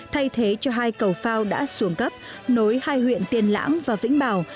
thay thế cho hai cầu phao đã xuống cấp nối hai huyện tiên lãng và vĩnh bảo